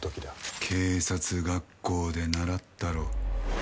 「警察学校で習ったろ」